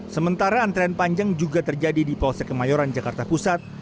sementara antrean panjang juga terjadi di polsek kemayoran jakarta pusat